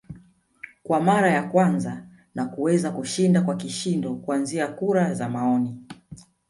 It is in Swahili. kwa mara ya kwanza na kuweza kushinda kwa kishindo kuanzia kura za maoni